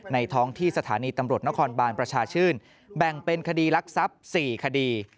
ท้องที่สถานีตำรวจนครบานประชาชื่นแบ่งเป็นคดีรักทรัพย์๔คดี